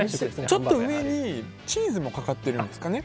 ちょっと上にチーズもかかってるんですかね。